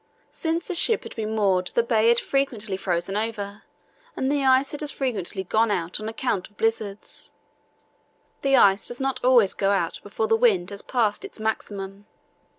"Since the ship had been moored the bay had frequently frozen over, and the ice had as frequently gone out on account of blizzards. The ice does not always go out before the wind has passed its maximum.